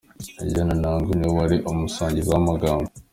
Eugene Anangwe ni we wari umusangiza w'amagambo .